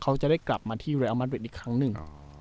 เขาจะได้กลับมาที่เรลมัดริดอีกครั้งหนึ่ง